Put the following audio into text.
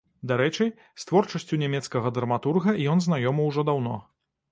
Дарэчы, з творчасцю нямецкага драматурга ён знаёмы ўжо даўно.